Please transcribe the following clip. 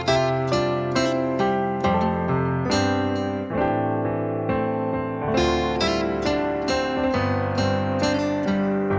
oh sehari ku